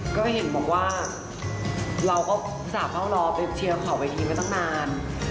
ก็เห็นบอกว่าเราก็สาวเผ่ารอไปเชียร์ขอวิทีมาตั้งนาน